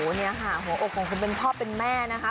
นี่ค่ะหัวอกของคนเป็นพ่อเป็นแม่นะคะ